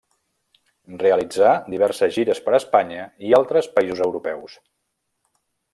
Realitzà diverses gires per Espanya i altres països europeus.